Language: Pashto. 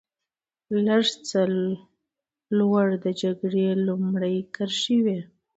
لږ څه لوړ د جګړې لومړۍ کرښې وې.